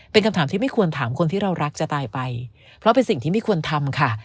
เป็นคำถามที่ไม่ควรถามคนที่เรารักจะตายไปเพราะเป็นสิ่งที่ไม่ควรทำค่ะ